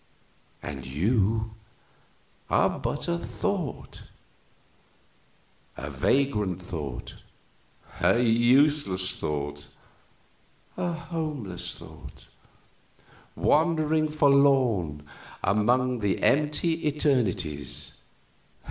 And you are but a thought a vagrant thought, a useless thought, a homeless thought, wandering forlorn among the empty eternities!"